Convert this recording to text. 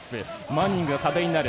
マニング壁になる。